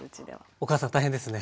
お母さん大変ですね。